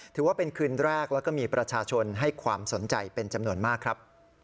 ถือว่าเป็นคืนแรกแล้วก็มีประชาชนให้ความสนใจเป็นจำนวนมากครับ